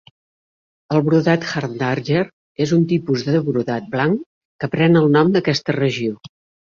El brodat Hardarnger és un tipus de brodat blanc que pren el nom d'aquesta regió.